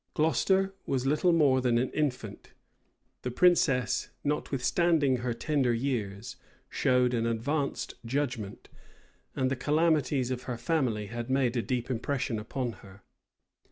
Gloucester was little more than an infant: the princess, notwithstanding her tender years, showed an advanced judgment; and the calamities of her family had made a deep impression upon her.